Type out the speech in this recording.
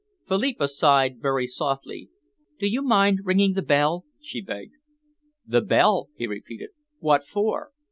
Philippa sighed very softly. "Do you mind ringing the bell?" she begged. "The bell?" he repeated. "What for?"